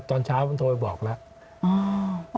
ตอนเช้ามันโทรไปบอกแล้ว